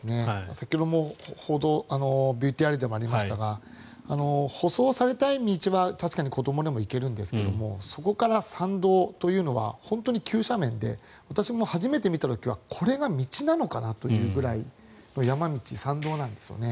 先ほどもＶＴＲでもありましたが舗装された道は確かに子どもでも行けるんですがそこから山道というのは本当に急斜面で私も初めて見た時はこれが道なのかなと思うぐらいの山道なんですよね。